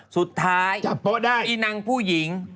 สุดท้ายอีหนังผู้หญิง